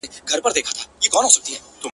بلکي د افغاني او اروپايي